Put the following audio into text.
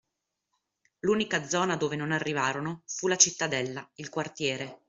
L’unica zona dove non arrivarono fu la cittadella, il quartiere